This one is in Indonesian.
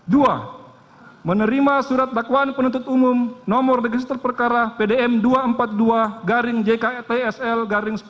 dua menerima surat dakwaan penuntut umum nomor register perkara pdn dua ratus empat puluh dua jktsl sepuluh dua ribu dua puluh dua